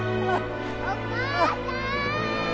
お母さん！